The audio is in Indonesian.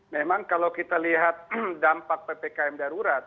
memang kalau kita lihat dampak ppkm darurat